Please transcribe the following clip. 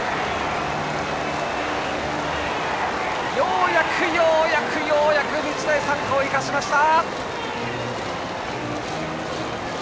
ようやく、ようやく、ようやく日大三高、生かしました！